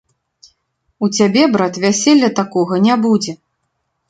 У цябе, брат, вяселля такога не будзе.